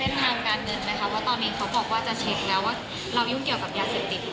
เพราะตอนนี้เขาบอกว่าจะเช็คแล้วว่าเรายุ่งเกี่ยวกับยาเสพติด